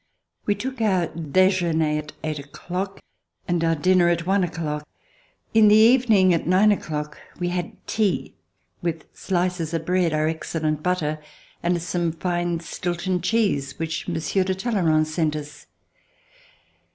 We took our dejeuner at eight o'clock, and our dinner at one o'clock. In the evening at nine o'clock we had tea, with slices of bread, our excellent butter and some fine Stilton cheese which Monsieur de Talleyrand sent us.